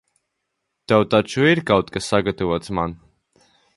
Tev taču ir kaut kas sagatavots man?